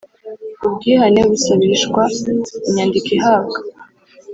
Ubwihane busabishwa inyandiko ihabwa